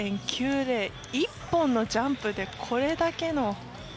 １本のジャンプでこれだけの。